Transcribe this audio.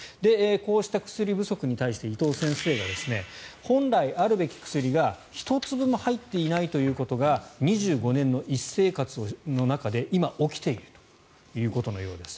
こうした薬不足に対して伊藤先生が本来あるべき薬が１粒も入っていないということが２５年の医師生活の中で今起きているということのようです。